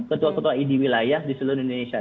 ketua ketua id wilayah di seluruh indonesia